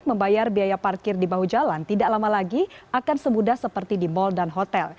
membayar biaya parkir di bahu jalan tidak lama lagi akan semudah seperti di mal dan hotel